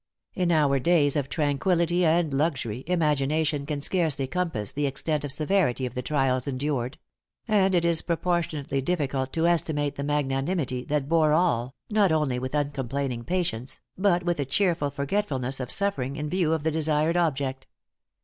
In our days of tranquillity and luxury, imagination can scarcely compass the extent or severity of the trials endured; and it is proportionately difficult to estimate the magnanimity that bore all, not only with uncomplaining patience, but with a cheerful forgetfulness of suffering in view of the desired object.